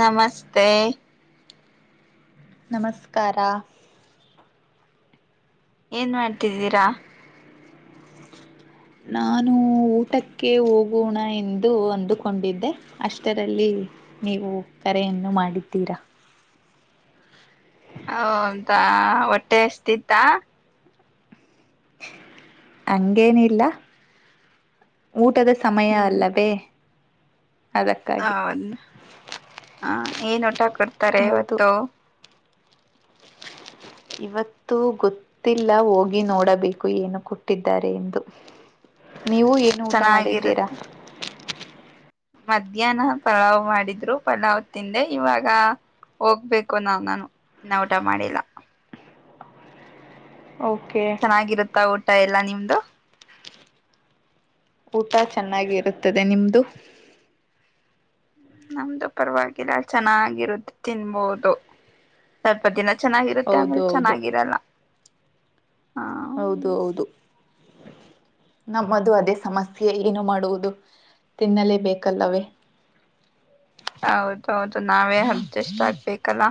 ನಮಸ್ತೆ. ನಮಸ್ಕಾರಕಾರ ಏನ್ ಮಾಡ್ತಿದ್ದೀರಾ ನಾನು ಊಟಕ್ಕೆ ಹೋಗೋಣ ಎಂದು ಅಂದುಕೊಂಡಿದ್ದೆ ಅಷ್ಟರಲ್ಲಿ ನೀವು ಕರೆಯನ್ನು ಮಾಡಿದ್ದೀರಾ ಹಂತ ಹೊಟ್ಟೆ ಎಷ್ಟತಿತ್ತ ಹಂಗೇನಿಲ್ಲ ಊಟದ ಸಮಯ ಹ್ಮ್ ಅಲ್ಲವೇ ಅದಕ್ಕಾಗಿ ಹೌದು ಹ ಏನ್ ಊಟ ಕೊಡ್ತಾರೆ ಹೌದು ಇವತ್ತು ಇವತ್ತು ಗೊತ್ತಿಲ್ಲ ಹೋಗಿ ನೋಡಬೇಕು ಏನು ಕೊಟ್ಟಿದ್ದಾರೆ ಎಂದು ನೀವು ಏನು ಊಟ ಮಾಡಿದ್ದೀರಾ ಚೆನ್ನಾಗಿರುತ್ತೆ ಮಧ್ಯಾಹ್ನ ಪಲಾವ್ ಮಾಡಿದ್ರು ಪಲಾವ್ ತಿಂದೆ ಇವಾಗ ಹೋಗ್ಬೇಕು ನ ನಾನು ಇನ್ನ ಊಟ ಮಾಡಿಲ್ಲ ಓಕೆ ಚೆನ್ನಾಗಿರುತ್ತಾ ಊಟ ಎಲ್ಲಾ ನಿಮ್ದು ಊಟ ಚೆನ್ನಾಗಿ ಇರುತ್ತದೆ ನಿಮ್ದು ನಮ್ದು ಪರವಾಗಿಲ್ಲ ಚೆನ್ನಾಗಿರುದು ತಿನ್ಬಹದು ಸ್ವಲ್ಪ ದಿನ ಚೆನ್ನಾಗಿರುತ್ತೆ ಹೌದು ಆಮೇಲೆ ಹೌದು ಚೆನ್ನಾಗಿರಲ್ಲ ಹ ಹೌದು ಹೌದು ನಮ್ಮದು ಅದೇ ಸಮಸ್ಯೆ ಏನು ಮಾಡುವುದು ತಿನ್ನಲೇಬೇಕೇಕಲ್ಲವೇ ಹೌದೌದು ನಾವೇ ಅಡ್ಜಸ್ಟ್ ಆಗ್ಬೇಕಲ್ಲ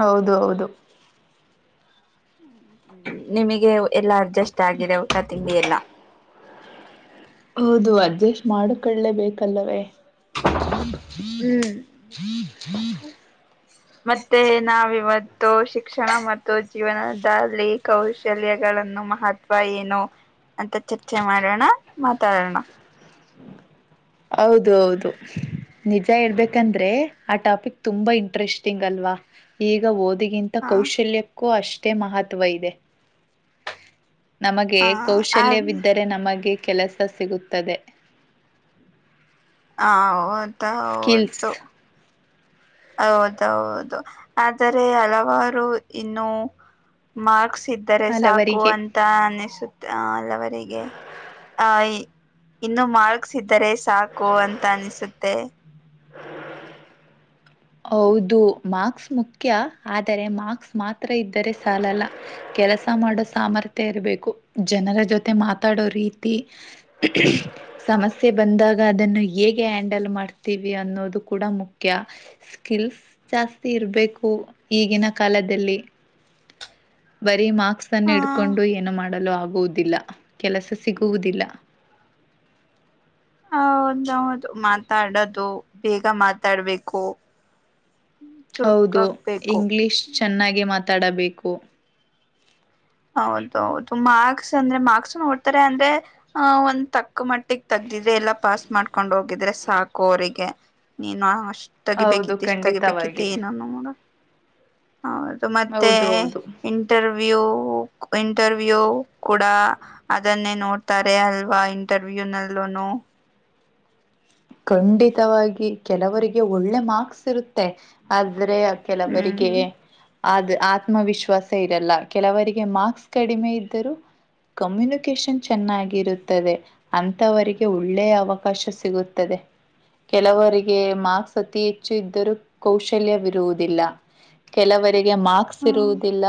ಹೌದು ಹೌದು ನಿಮಗೆ ಎಲ್ಲಾ ಅಡ್ಜಸ್ಟ್ ಆಗಿದೆ ಊಟ ತಿಂಡಿ ಎಲ್ಲಾ ಹೌದು ಅಡ್ಜಸ್ಟ್ ಮಾಡು ಕಳ್ಳಲೇ ಬೇಕಲ್ಲವೇ ಮತ್ತೆ ನಾವಿವತ್ತು ಶಿಕ್ಷಣ ಮತ್ತು ಜೀವನದಲ್ಲಿ ಕೌಶಲ್ಯಗಳನ್ನು ಮಹತ್ವ ಏನು ಅಂತ ಚರ್ಚೆ ಮಾಡೋಣ ಮಾತಾಡೋಣ ಹೌದು ಹೌದು ನಿಜ ಇೇಳ್ಬೇಕಂದ್ರೆ ಆ ಟಾಪಿಕ್ ತುಂಬಾ ಇಂಟ್ರೆಸ್ಟಿಂಗ್ ಅಲ್ವಾ ಈಗ ಓದ್ ಇದಗಿಂತ ಹ ಕೌಶಲ್ಯಕ್ಕೂ ಅಷ್ಟೇ ಮಹತ್ವ ಇದೆ ನಮಗೆ ಹ ಅದ್ ಕೌಶಲ್ಯವಿದ್ದರೆ ನಮಗೆ ಕೆಲಸ ಸಿಗುತ್ತದೆ ಹ ಹೌದ ಸ್ಕಿಲ್ಸ್ ಹೌದು ಹೌದೌದು ಆದರೆ ಹಲವಾರು ಇನ್ನು ಮಾರ್ಕ್ ಸರೆ ಸಾಕು ಹಲವರಿಗೆ ಅಂತ ಅನಿಸುತ್ತ ಹಲವರಿಗೆ ಆ ಇನ್ನುೂ ಮಾರ್ಕ್ಸ್ ಇದ್ದರೆ ಸಾಕು ಅಂತ ಅನಿಸುತ್ತೆ ಹ ಹೌದು ಮಾರ್ಕ್ಸ್ ಮುಖ್ಯ ಆದರೆ ಮಾರ್ಕ್ಸ್ ಮಾತ್ರ ಇದ್ದರೆ ಸಾಲಲ್ಲ ಕೆಲಸ ಮಾಡೋ ಸಾಮರ್ಥ್ಯ ಇರಬೇಕು ಜನರ ಜೊತೆ ಮಾತಾಡೋ ರೀತಿ ಸಮಸ್ಯೆ ಬಂದಾಗ ಅದನ್ನು ಹೇಗೆ ಹ್ಯಾಂಡಲ್ ಮಾಡ್ತೀವಿ ಅನ್ನೋದು ಕೂಡ ಮುಖ್ಯ ಸ್ಕಿಲ್ಸ್ ಜಾಸ್ತಿ ಇರಬೇಕು ಈಗಿನ ಕಾಲದಲ್ಲಿ ಬರೀ ಮಾರ್ಕ್ಸ್ ಅನ್ನು ಹ ಇಡ್ಕೊಂಡು ಏನು ಮಾಡಲು ಆಗುವುದಿಲ್ಲ ಕೆಲಸ ಸಿಗುವುದಿಲ್ಲ ಹದೌದು ಮಾತಾಡದು ಬೇಗ ಮಾತಾಡ್ಬೇಕು ಹೌದು ಚುರುಕಾಗ್ಬೇಕು ಇಂಗ್ಲಿಷ್ ಚೆನ್ನಾಗಿ ಮಾತಾಡಬೇಕು ಹೌದೌದು ಮಾರ್ಕ್ಸ್ ಅಂದ್ರೆ ಮಾರ್ಕ್ಸ್ ನೋಡ್ತಾರೆ ಅಂದ್ರೆ ಆ ಒಂದ ತಕ್ಕ ಮಟ್ಟಿಿಗೆ ತಗ್ ಇದ ಎಲ್ಲಾ ಪಾಸ್ ಮಾಡ್ಕೊಂಡ್ ಹೋಗಿದ್ರೆ ಸಾಕು ಅವರಿಗೆ ನೀನು ಇಷ್ಟ ಹೌದು ತಗಿಬೇಕಿತ್ತು ಇಷ್ಟು ತಗಿಬೇಕಿತ್ತು ಖಂಡಿತವಾಗಿ ಏನನು ನೋಡ ಹೌದು ಮತ್ತೆ ಹೌದು ಹೌದು ಇಂಟರ್ವ್ಯೂ ಇಂಟರ್ವ್ಯೂ ಕೂಡ ಅದನ್ನೇ ನೋಡ್ತಾರೆ ಅಲ್ವಾ ಇಂಟರ್ವ್ಯೂ ನಲ್ಲೂ ಹ ಖಂಡಿತವಾಗಿ ಕೆಲವರಿಗೆ ಒಳ್ಳೆ ಮಾರ್ಕ್ಸ್ ಇರುತ್ತೆ ಆದ ಆದ್ರೆ ಕೆಲವರಿಗೆ ಹ್ಮ್ ಅದು ಆತ್ಮವಿಶ್ವಾಸ ಇರಲ್ಲ ಕೆಲವರಿಗೆ ಮಾರ್ಸ್ ಕಡಿಮೆ ಇದ್ದರೂ ಕಮ್ಯುನಿಕೇಶನ್ ಇರುತ್ತದೆ ಅಂತವರಿಗೆ ಒಳ್ಳೆ ಅವಕಾಶ ಸಿಗುತ್ತದೆ ತ್ತದೆ ಕೆಲವರಿಗೆ ಮಾರ್ಸ್ ಅತಿ ಹೆಚ್ಚು ಇದ್ದರೂ ಕೌಶಲ್ಯ ಇರುವುದಿಲ್ಲ ಕೆಲವರಿಗೆ ಮಾರ್ಕ್ಸ್ ಇರುವುದಿಲ್ಲ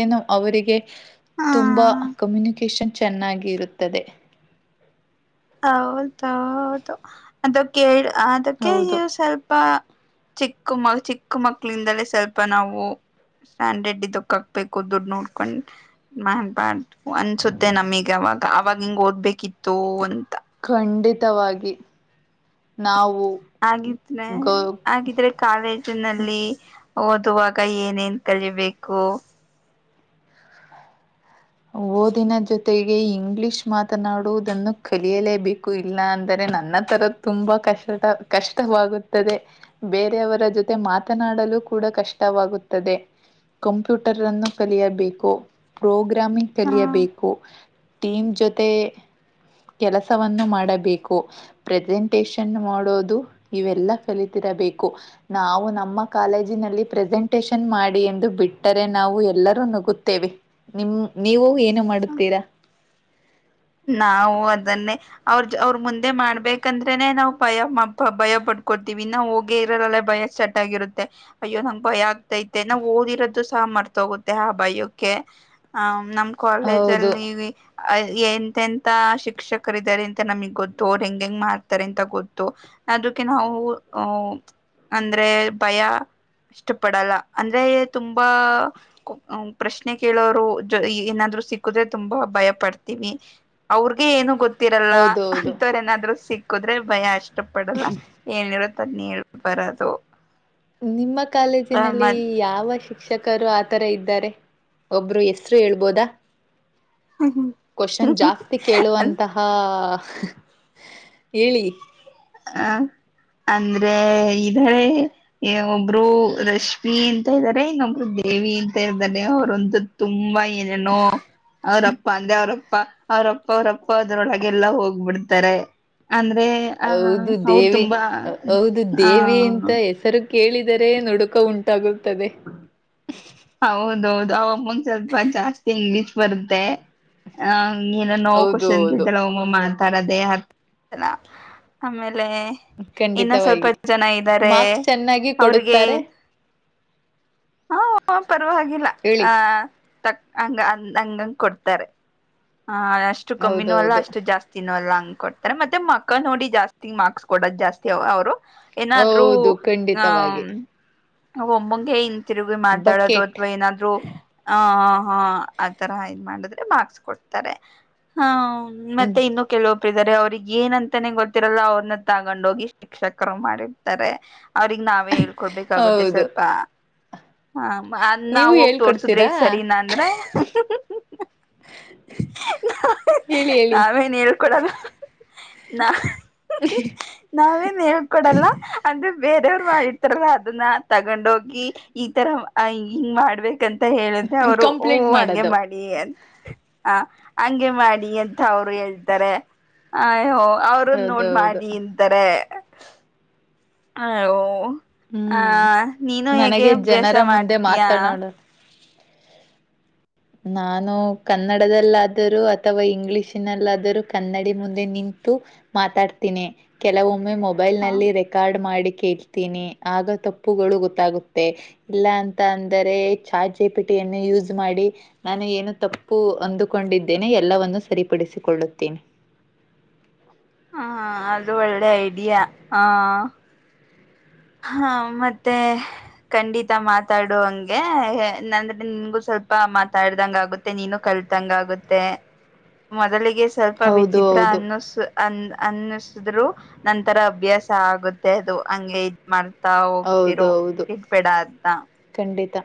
ಏನು ಅವರಿಗೆ ತುಂಬಾ ಹ ಕಮ್ಯುನಿಕೇಶನ್ ಚೆನ್ನಾಗಿ ಇರುತ್ತದೆ ಹೌದೌದು ಅದಕ್ಕೆ ಅದಕ್ಕೆ ಹೌದು ನೀವು ಸ್ವಲ್ಪ ಚಿಕ್ಕ ಮ ಚಿಕ್ಕ ಮಕ್ಕಳು ಇಂದಾನೆ ಸ್ವಲ್ಪ ನಾವು ಸನ್ ರೆಡ್ಡಿ ದಕ್ಕಾಕ್ಬೇಕು ದುಡ್ ನೋಡ್ಕೊಂಡ್ ಮಾನ್ ಬಾ ಅನ್ಸುತ್ತೆ ನಮಗ್ ಅವಾಗ ಅವಾಗ ಹಿಂಗ್ ಓದ್ಬೇಕಿತ್ತು ಖಂಡಿತವಾಗಿ ನಾವು ಹಾಗಗಿದ್ರೆ ಗ ಹಾಗಿದ್ರೆ ಕಾಲೇಜಿನಲ್ಲಿ ಓದುವಾಗ ಏನು ಕಲಿಬೇಕು ಓದಿನ ಜೊತೆಗೆ ಇಂಗ್ಲಿಷ್ ಮಾತನಾಡುವುದನ್ನು ಕಲಿಯಲೇಬೇಕು ಇಲ್ಲ ಅಂದರೆ ನನ್ನ ತರ ತುಂಬಾ ಕಷ್ಟ ಕಷ್ಟವಾಗುತ್ತದೆ ಬೇರೆಯವರ ಜೊತೆ ಮಾತನಾಡಲು ಕಷ್ಟವಾಗುತ್ತದೆ ಕಂಪ್ಯೂಟರ್ ಅನ್ನು ಕಲಿಯಬೇಕು ಪ್ರೋಗ್ರಾಮ್ ಗ್ರಾಮೀಣ ಹ ಕಲಿಯಬೇಕು ಟೀಮ್ ಜೊತೆ ಕೆಲಸವನ್ನು ಮಾಡಬೇಕು ಪ್ರೆಸೆಂಟೇಶನ್ ಮಾಡೋದು ಇವೆಲ್ಲಾ ಕಲಿಯಬೇಕು ನಾವು ನಮ್ಮ ಕಾಲೇಜಿನಲ್ಲಿ ಪ್ರೆಸೆಂಟಷನ್ ಮಾಡಿ ಎಂದು ಬಿಟ್ಟರೆ ನಾವು ಎಲ್ಲಾರು ಎಲ್ಲರೂ ನಗುತ್ತೇವೆ ನಿಮ ನೀವು ಏನು ಮಾಡುತ್ತೀರ ನಾವು ಅದನ್ನೇ ಅವ್ರ ಅವ್ರರು ಮುಂದೆ ಮಾಡ್ಬೇಕಂದ್ರೆನೆ ನಾವು ಭಯ ಭಯ ಪಟ್ಟ ಕೊಡ್ತೀವಿ ಇ ನ ಹೋಗೇ ಇರೋಲ್ಲ ಭಯ ಸೆಟ್ ಆಗರುತ್ತೆ ಅಯ್ಯೋ ನನಗೆ ಭಯ ಆಗ್ತಾ ಇದೆ ನಾ ಓದಿರದೆ ಸಾಕು ಮರ್ತ ಹೋಗುತ್ತೆ ಆ ಬಯಕೆ ನಮ್ ಕಾಲೇಜ್ ಹೌದು ಅಲ್ಲಿ ಎಂತ ಶಿಕ್ಷಕರ ಇದಾರೆ ಅಂತ ನಮಗ್ ಗೊತ್ತು ಅವರು ಹೆಂಗ್ ಹೆಂಗ್ ಮಾಡ್ತಾರೆ ಅಂತ ಗೊತ್ತು ಅದಕ್ಕೆ ನಾವು ಅ ಅಂದ್ರೆ ಭಯ ಇಷ್ಟಪಡಲ್ಲ ಅಂದ್ರೆ ತುಂಬಾ ಪ್ರಶ್ನೆ ಕೇಳೋರು ಜೊತೆ ಸಿಕ್ಕುದ್ರೆ ತುಂಬಾ ಭಯ ಪಡ್ತೀವಿ ಅವರಿಗೆ ಏನು ಗೊತ್ತಿರಲ್ಲ ಹೌದೌದು ಅಂತ ನರ ಸಿಕ್ಕಿದ್ರೆ ಭಯ ಅಷ್ಟೇ ಇಷ್ಟ ಪಡಲ್ಲ ಏನ್ ಇರುತ್ತೆ ಅದನ್ನ ಹೇಳ್ ಬರೋದು ನಿಮ್ಮ ಕಾಲೇಜಿನಲ್ಲಿ ಯಾವ ಶಿಕ್ಷಕರು ಶಿಕ್ಷಕರ ಆತರ ಇದ್ದಾರೆ ಒಬ್ಬ ಹೆಸರು ಇರಬಹುದಾ ಮೆಸೇನ್ ಜಾಸ್ತಿ ಕೇಳುವ ಅಂತಹ ಹೇಳಿ ಹಾ ಅಂದ್ರೆ ಇದ್ದಾರೆ ಒಬ್ರು ರಶ್ಮಿಅಂತ ಇನ್ನೊಬ್ಬರು ದಿವ್ಯ ಏನು ಇಲ್ದೇ ಇದ್ದರೆ ಅವರಂತೂ ತುಂಬಾ ಏನೇನೋ ಅವರಪ್ಪ ಅಂದ್ರೆ ಅವರಪ್ಪ ಒಳಗೆ ಹೋಗುತ್ತಾರೆ ಅಂದ್ರೆ ಆ ಹೌದು ಅವ್ರು ದೇವಿ ತುಂಬಾ ಹೌದು ಆ ದೇವಿ ಅಂತ ಹೆಸರು ಕೇಳಿ ದ್ದರೆ ನುಡುಕ ಉಂಟಾಗುತ್ತದೆ ಹೌದೌದು ಹಾಯ್ ಅಮ್ಮು ಸ್ವಲ್ಪ ಜಾಸ್ತಿ ಇಂಗ್ಲಿಷ್ ಬರುತ್ತೆ ಏನೇನೋ ಹೌದು ಕೋಶನ್ ಹೌದು ಕೇಳ್ತಾಳೆ ಆಯಮ್ಮ ಮಾತಾಡದೆ ಅರ್ಥ ಆಗಲ್ಲ ಆಮೇಲೆ ಇನ್ನು ಸ್ವಲ್ಪ ಖಂಡಿತವಾಗಿ ಜನ ಇದ್ದಾರೆ ಮಾರ್ಕ್ಸ್ ಚೆನ್ನಾಗಿ ಅವರಿಗೆ ಕೊಡುತ್ತಾರೆ ಹ ಪರವಾಗಿವಾಗಿಲ್ಲ ಹೇಳಿ ಅ ಹಂಗಂದ್ರೆ ತಕ್ಕ ಮಟ್ಟಿಗೆ ಕೊಡುತ್ತಾರೆ ಆ ಅಷ್ಟೇ ಕಣ್ಣಿನ ಹೌದೌದು ಲಾಸ್ಟ್ ಜಾಸ್ತಿನು ಅಲ್ಲ ಕೊಡ್ತಾರೆ ಮತ್ತೆ ಮಕ ನೋಡಿ ಜಾಸ್ತಿ ಮಾಡಿಸಿಕೊಡೋದು ಅವರು ಏನಾದ್ರೂ ಹೌದು ಹ ಖಂಡಿತವಾಗಿ ಹಾಯ್ ಮುಂಡೆತ್ತಿರಿ ಮಾತಾಡಾದ್ರು ಬಕೆಟ್ ತವಾ ಏನಾದ್ರೂ ಹಾ ಆ ತರ ಇ ಮಾಡಿದ್ರೆ ಮಾರ್ಕ್ಸ್ ಕೊಡ್ತಾರೆ ಹ ಹ್ಮ್ ಮತ್ತೆ ಇನ್ನು ಕೆಲವೊ ಕೆಲವೊಬ್ಬರು ಇದ್ದಾರೆ ಏನಂತಾನೆ ಗೊತ್ತಿರಲ್ಲ ಅವರನ್ನು ತಂದು ಶಿಕ್ಷಕರು ಮಾಡಿದ್ದಾರೆ ಅವರಿಗೆ ನಾವೇ ಹೇಳಿ ಕೊಡಬೇಕಾಗುತ್ತೆ ಹೌದು ಸ್ವಲ್ಪ ಅ್ ನಾವ ನೀವು ಹೋಗಿ ತೋರ್ಸುದ್ರೆ ಹೇಳ್ಕೊಡ್ತೀರಾ ಇ್ ಸರಿನಾ ಅಂದ್ರ [unintelligible] ಹೇಳಿ ಹೇಳಿ ನಾವೇನ್ ಹೇಳ್ಕೊಡಲ್ಲ ನಾ [inaudible] ನಾವೇನ್ ಹೇಳ್ಕೊಡಲ್ಲ ಅಂದ್ರೆ ಬೇರೆಯವ್ರು ಮಾಡಿರ್ತಾರಲ್ಲ [inaudible] ಅದನ್ನ ತಗೊಂಡ ಹೋಗಿ ಈ ತರ ಹಿಂಗ್ ಮಾಡ್ಬೇಕ [inaudible] ಂತ [unintelligible] ಹೇಳಿದ್ರೆ ಅವ್ರು ಹಊ ಕಂಪ್ಲೇಂಟ್ ಹಂಗೆ ಮಾಡೋದು ಮಾಡಿ ಅಂತ ಹ ಹಂಗೆ ಮಾಡಿ ಅಂತ ಅವ್ರು ಹೇಳ್ತಾರೆ ಅಯೋ ಅವರು ನೋಡ್ ಹೌದೌದು ಮಾಡಿ ಇಂತಾರೆ ಆ ಹ್ಮ್ ನೀನು ಹೇಗೆ ನನಗೆ ಅಭ್ಯಾಸ ಜನರ ಮುಂದೆ ಮಾಡ್ತಯ ಮಾತನಾಡ ನಾನು ಕನ್ನಡದಲ್ಲಾದರೂ ಅಥವಾ ಇಂಗ್ಲಿಷಿನಲ್ಲಾದರೂ ಕನ್ನಡಿ ಮುಂದೆ ನಿಂತ ಮಾತಾಡ್ತೀನಿ ಕೆಲವೊಮ್ಮೆ ಮೊಬೈಲ್ ಹ ನಲ್ಲಿ ರೆಕಾರ್ಡ್ ಮಾಡಿ ಕೇಳ್ತೀನಿ ಆಗ ತಪ್ಪುಗಳು ಗೊತ್ತಾಗುತ್ತೆ ಇಲ್ಲ ಅಂತ ಅಂದರೆ ಚಾಜೆ ಪಿಟ್ಟ ಯೂಸ್ ಮಾಡಿ ನಾನು ಏನು ತಪ್ಪು ಅಂದುಕೊಂಡಿದ್ದೇನೆ ಎಲ್ಲವವನ್ನು ಸರಿಪಡಿಸಿಕೊಳ್ಳುತ್ತೇನೆ ಹ [unintelligible] ಹಾ ಅದು ಒಳ್ಳೆ ಐಡಿಯಾ ಹಾ ಹಾ ಮತ್ತೆ ಖಂಡಿತಾ ಮಾತಾಡುುವ ಹಂಗೆ ಅಂದ್ರೆ ನಿನ್ಗೂ ಸ್ವಲ್ಪ ಮಾತಾಡ್ದಂಗ ಆಗುತ್ತೆ ನೀನು ಕ ತಂಗ ಆಗುತ್ತೆ ಮೊದಲಿಗೆ ಸ್ವಲ್ಪ ಹೌದು ವಿಚಿತ್ರ ಹೌದು ಅನ್ನ ಅ ಅನ್ನಸಿದ್ರು ನಂತರ ಅಭ್ಯಾಸ ಆಗುತ್ತೆ ಅದು ಹಂಗೆ ಮಾಡ ಹತ [unintelligible] ಹೌದು ಹೋಗ್ತಿರೋ ಹೌದು ಬಿಟ್ಬೇಡ ಅಂತ ಖಂಡಿತ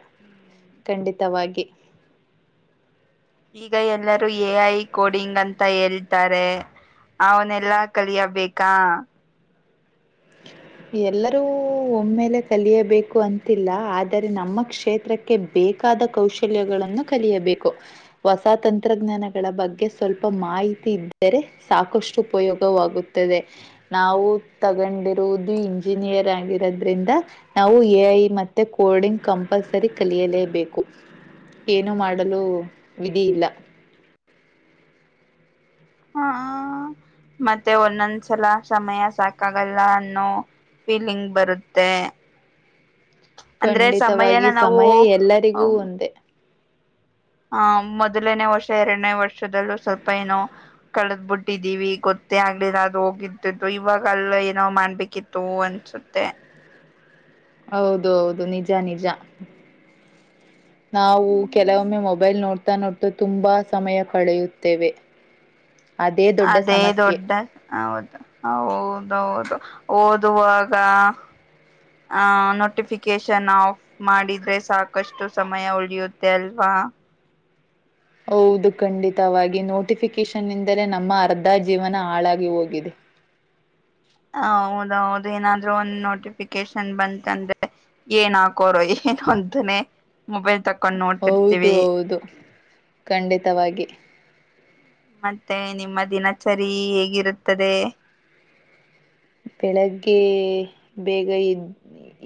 ಖಂಡಿತವಾಗಿ ಈಗ ಎಲ್ಲರೂ ಎ ಐ ಕೋಡಿಂಗ್ ಅಂತ ಹೇಳ್ತಾರೆ ಅವನೆಲ್ಲಾ ಕಲಿಯಬೇಕಾ ಎಲ್ಲರೂ ಒಮ್ಮೆಲೆ ಕಲಿಯಬೇಕು ಅಂತಿಲ್ಲ ಆದರೆ ನಮ್ಮ ಕ್ಷೇತ್ರಕ್ಕೆ ಬ ಬೇಕಾದ ಕೌಶಲ್ಯಗಳನ್ನು ಕಲಿಯಬೇಕು ಹೊಸ ತಂತ್ರಜ್ಞಾನಗಳ ಬಗ್ಗೆ ಸ್ವಲ್ಪ ಮಾಹಿ ತಿ [unintelligible] ಇದ್ದರೆ ಸಾಕಷ್ಟು ಉಪಯೋಗವಾಗುತ್ತದೆ ನಾವು ತಗೊಂಡಿರುವು ಇದು ಇಂಜಿನಿಯರ್ ಆಗಿರೋದ್ರಿಂದ ನಾವು ಎ ಐ ಮತ್ತೆ ಕೋಡಿಂಗ್ ಕಂಪಲ್ಸರಿ ಕಲಿಯಲೇ ಬೇಕು ಏನು ಮಾಡಲು ವಿಧಿ ಇಲ್ಲ ಹಾ ಮತ್ತೆ ಒಂದೊಂದ್ಸಲ ಸಮಯ ಸಾಕಾಗಲ್ಲ ಅನ್ನೋ ಫೀಲಿಂಗ್ ಬರುತ್ತೆ ಅಂದ್ರೆ ಸಮಯನ ಖಂಡಿತವಾಗಿ ನಾವು ಸಮಯ ಎಲ್ಲರಿಗೂ ಒಂದೇ ಹ ಮೊದಲನೇ ವರ್ಷ ಎರಡನೇ ವರ್ಷದಲ್ಲೂ ಸ್ವಲ್ಪ ಏನೋ ಕಳೆದ್ ಬಿಟ್ಟಿದ್ದೀವಿ ಗೊತ್ತ ಮತ್ತೆ ಆಗ್ಲಿಲ್ಲ ಅದು ಹೋಗಿದ್ದಿದ್ದು ಇವಾಗಲ್ಲ ಏನೋ್ ಮಾಡ್ಬೇಕಿತ್ತು ಅನ್ಸುತ್ತೆ ಹೌದು ಹೌದು ನಿಜ ನಿಜ ನಾವು ಕೆಲವೊಮ್ಮೆ ಮೊಬೈಲ್ ನೋಡ್ತೀವಿ ತ್ತ ನೊಟ್ಟು ತುಂಬಾ ಸಮಯ ಕಳೆಯುತ್ತೇವೆ ದೊಡ್ಡ ಅದೇ ಸಮಸ್ಯೆ ದೊಡ್ಡ ಹೌದು ಹೌದೌದು ಓದುವಾಗ ಆಹ ನೋಟಿಫಿಕೇಶನ್ ಆಫ್ ಮಾಡಿದ್ರೆ ಸಾಕಷ್ಟು ಸಮಯ ಉಳಿಯುತ್ತೆ ಅಲ್ವಾ ಹಾ ಹೌದು ಖಂಡಿತವಾಗಿ ನೋಟಿಫಿಕೇಶನ್ಂದರೆ ನಮ್ಮ ಅರ್ಧ ಜೀವನ ಹಾಳಾಗಿ ಹೋಗಿದೆ ಹ [unintelligible] ಹ ಹೌದೌದು ಏನಾದ್ೂ ಒಂದ್ ನೋಟಿಫಿಕೇಶನ್ ಬಂತಂದ್ರೆ ಏನ್ ಹಾಕೋರೋ ಏನು ಅಂತಾನೆ ಮೊಬೈಲ್ ತಕ್ಕ ಹೌದು ಹೌದು ಖಂಡಿತವಾಗಿ ಮತ್ತೆ ನಿಮ್ಮ ದಿನಚರಿ ಹೇಗಿರುತ್ತದೆ ಬೆಳಗ್ಗೆ ಬೇಗ ಇದ್ದ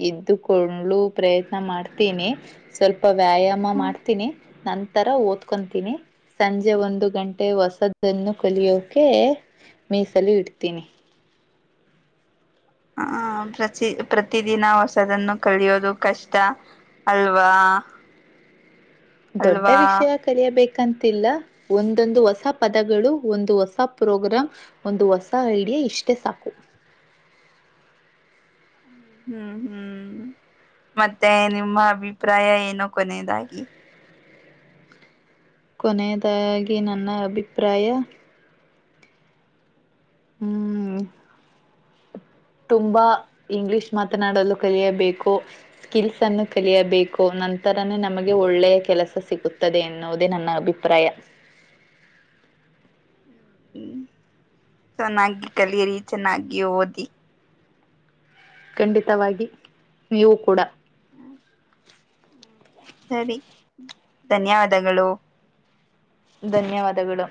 ಇದ್ದುಕೊಂಡಲು ಪ್ರಯತ್ನ ಮಾಡ್ತೀನಿ ಸ್ವಲ್ಪ ವ್ಯಾಯಾಮ ಮಾಡ್ತೀನಿ ನ ನಂತರ ಓದ್ಕೊತೀನಿ ಸಂಜೆ ಒಂದು ಗಂಟೆ ಹೊಸದನ್ನು ಕಲಿಯೋಕೆ ಮೀಸಲು ಇಡ್ತೀನಿ ಹ ಪ್ರ ಪ್ರತಿದಿನ ಹೊಸದನ್ನು ಕಲಿಯೋದು ಕಷ್ಟ ಅಲ್ವಾ. ದೊಡ್ಡ ಅಲ್ವಾ ವಿಷಯ ಕಲಿಯಬೇಕು ಕಂತಲ್ಲ ಒಂದೊಂದು ಹೊಸ ಪದಗಳು, ಒಂದು ಹೊಸ ಪ್ರೋಗ್ರಂ, ಒಂದು ಹೊಸ ಐಡಿಯಾ, ಇಷ್ಟೇ ಸಾಕು ಹ್ಮ್ ಹ್ಮ್ ಹ್ಮ್ ಮತ್ತೆ ನಿಮ್ಮ ಅಭಿಪ್ರಾಯ ಏನೋ ಕೊನೆಯದಾಗಿ. ಕೊನೆಯದಾಗಿ ನನ್ನ ಅಭಿಪ್ರಾಯ ಹ್ಮ್ ತುಂಬಾ ಇಂಗ್ಲಿಷ್ ಮಾತನಾಡಲು ಕಲಿಯಬೇಕು ಸ್ಕಿಲ್ಸ್ ಅನ್ನು ಕಲಿಯಬೇಕು ನಂತರನೇ ನಮಗೆ ಒಳ್ಳೆಯ ಕೆಲಸ ಸಿಗುತ್ತದೆ ಎನ್ನುವುದೇ ನನ್ನ ಅಭಿಪ್ರಾಯ. ಹ ಹ ಹ ಹ್ಮ್ ಚೆನ್ನಾಗಿ ಕಲಿಯರಿ ಚೆನ್ನಾಗಿ ಓದಿ ಖಂಡಿತವಾಗಿ ನೀವು ಕೂಡ ಹ್ಮ್ ಸರಿ ಧನ್ಯವಾದಗಳು ಧನ್ಯವಾದಗಳು